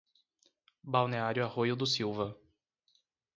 Balneário Arroio do Silva